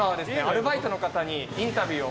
アルバイトにインタビュー？